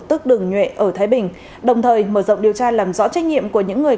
tức đường nhuệ ở thái bình đồng thời mở rộng điều tra làm rõ trách nhiệm của những người